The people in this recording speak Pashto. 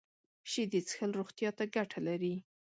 شیدې څښل روغتیا ته ګټه لري